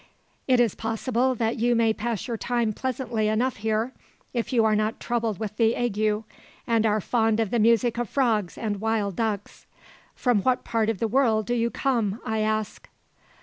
"It is possible that you may pass your time pleasantly enough here, if you are not troubled with the ague, and are fond of the music of frogs and wild ducks. From what part of the world do you come, I ask?"